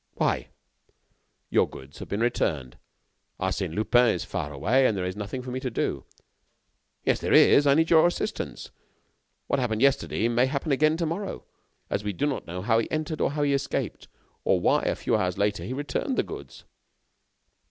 "Why?" "Your goods have been returned; Arsène Lupin is far away there is nothing for me to do." "Yes, there is. I need your assistance. What happened yesterday, may happen again to morrow, as we do not know how he entered, or how he escaped, or why, a few hours later, he returned the goods."